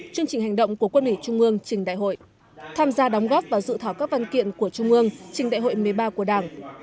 chương trình hành động của quân ủy trung ương trình đại hội tham gia đóng góp vào dự thảo các văn kiện của trung ương trình đại hội một mươi ba của đảng